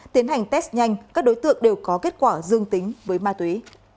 tiến hành test nhanh các đối tượng đều có kết quả dương tính với ma túy